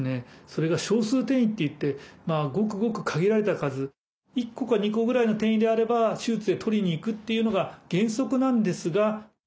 それが「少数転移」っていってごくごく限られた数１個か２個ぐらいの転移であれば手術でとりにいくっていうのが原則なんですが。